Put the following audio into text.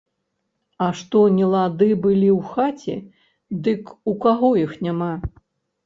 А што нелады былі ў хаце, дык у каго іх няма.